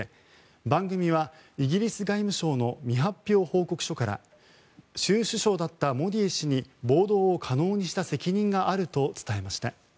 番組はイギリス外務省の未発表報告書から州首相だったモディ氏に暴動を可能にした責任があると伝えました。